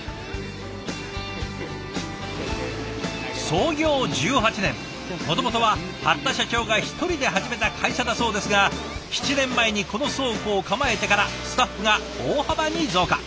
創業１８年もともとは八田社長が一人で始めた会社だそうですが７年前にこの倉庫を構えてからスタッフが大幅に増加。